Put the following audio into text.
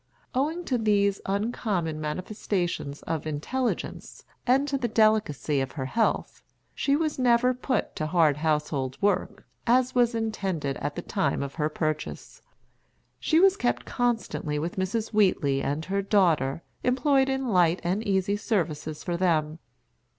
Owing to these uncommon manifestations of intelligence, and to the delicacy of her health, she was never put to hard household work, as was intended at the time of her purchase. She was kept constantly with Mrs. Wheatley and her daughter, employed in light and easy services for them.